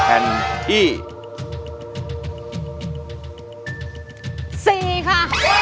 อันที่๔ค่ะ